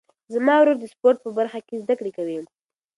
زما ورور د سپورټ په برخه کې زده کړې کوي.